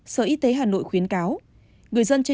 sở y tế hà nội khuyến cáo